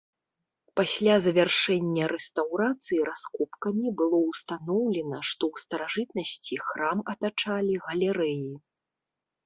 Пасля завяршэння рэстаўрацыі раскопкамі было ўстаноўлена, што ў старажытнасці храм атачалі галерэі.